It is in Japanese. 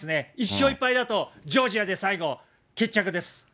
１勝１敗だとジョージアで最後、決着です。